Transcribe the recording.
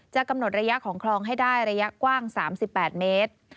กำหนดระยะของคลองให้ได้ระยะกว้าง๓๘เมตร